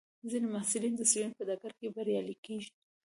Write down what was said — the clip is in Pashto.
ځینې محصلین د څېړنې په ډګر کې بریالي کېږي.